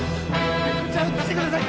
こちら映してください